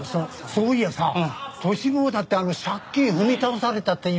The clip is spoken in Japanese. そういやさトシ坊だって借金踏み倒されたって言ってたよな。